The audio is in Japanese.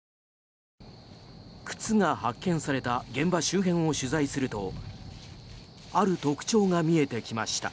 靴が発見された現場周辺を取材するとある特徴が見えてきました。